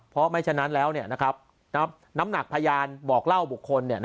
เพราะไม่ฉะนั้นแล้วน้ำหนักพยานบอกเล่าบุคคล